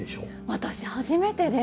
私初めてで。